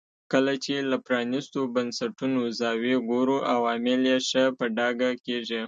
کله چې له پرانیستو بنسټونو زاویې ګورو عوامل یې ښه په ډاګه کېږي.